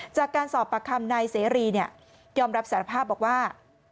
จากการสอบปากคำนายเสรียอมรับสารภาพบอกว่า